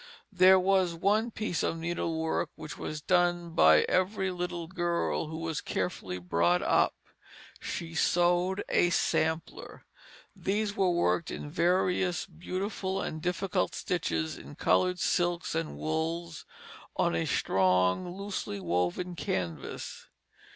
There was one piece of needlework which was done by every little girl who was carefully brought up: she sewed a sampler. These were worked in various beautiful and difficult stitches in colored silks and wool on a strong, loosely woven canvas.